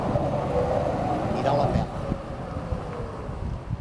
Mirar la pela.